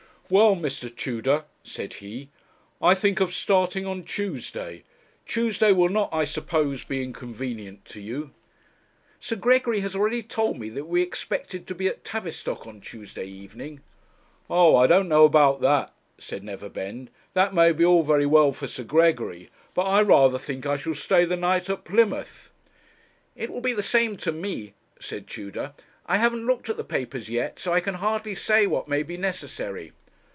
'Well, Mr. Tudor,' said he, 'I think of starting on Tuesday. Tuesday will not, I suppose, be inconvenient to you?' 'Sir Gregory has already told me that we are expected to be at Tavistock on Tuesday evening.' 'Ah! I don't know about that,' said Neverbend; 'that may be all very well for Sir Gregory, but I rather think I shall stay the night at Plymouth.' 'It will be the same to me,' said Tudor; 'I haven't looked at the papers yet, so I can hardly say what may be necessary.'